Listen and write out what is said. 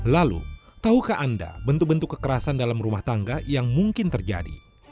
lalu tahukah anda bentuk bentuk kekerasan dalam rumah tangga yang mungkin terjadi